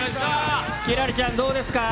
輝星ちゃん、どうですか。